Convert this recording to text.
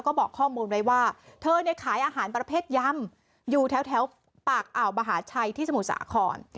ก็บอกข้อมูลไว้ว่าเธอเนี่ยขายอาหารประเภทยำอยู่แถวปากอ่าวมหาชัยที่สมุทรสาคร